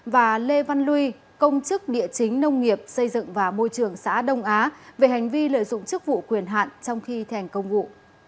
và lê văn luy công chức địa chính nông nghiệp xây dựng và môi trường xã đông á về hành vi lợi dụng chức vụ quyền hạn trong khi thành công vụ